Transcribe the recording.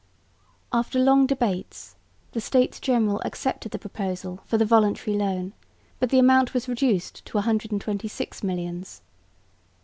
After long debates the States General accepted the proposal for the voluntary loan, but the amount was reduced to 126 millions.